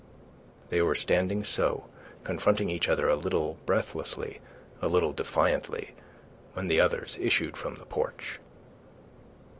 They were standing so, confronting each other a little breathlessly, a little defiantly, when the others issued from the porch.